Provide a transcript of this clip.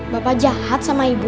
bapak jahat sama ibu